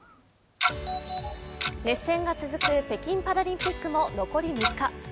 熱戦が続く北京パラリンピックも残り３日。